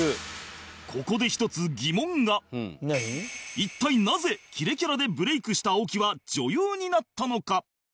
ここで一体なぜキレキャラでブレイクした青木は女優になったのか？